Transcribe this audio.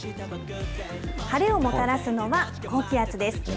晴れをもたらすのは高気圧です。